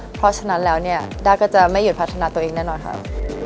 เพราะฉะนั้นแล้วเนี่ยด้าก็จะไม่หยุดพัฒนาตัวเองแน่นอนค่ะ